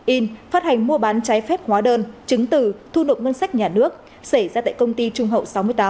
in phát hành mua bán trái phép hóa đơn chứng từ thu nộp ngân sách nhà nước xảy ra tại công ty trung hậu sáu mươi tám